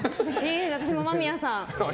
私も間宮さん。